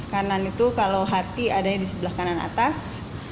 kanan itu kalau hati adanya di sebelah kanan atas